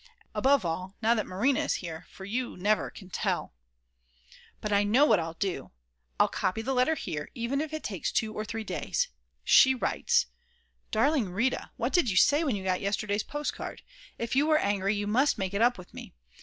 Above all now that Marina is here, for you never can tell . But I know what I'll do; I'll copy the letter here, even if it takes 2 or 3 days. She writes: Darling Rita, what did you say when you got yesterday's postcard. If you were angry, you must make it up with me.